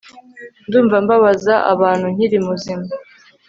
ndumva mbabaza abantu nkiri muzima